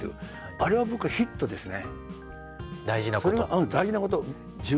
あれは僕ヒットですね。